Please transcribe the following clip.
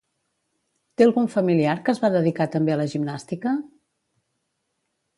Té algun familiar que es va dedicar també a la gimnàstica?